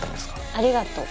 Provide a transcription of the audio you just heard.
ありがとう。